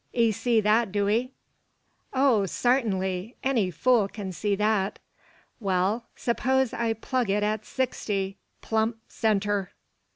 'Ee see that, do 'ee?" "Oh, sartinly! Any fool can see that." "Wal; s'pose I plug it at sixty, plump centre?"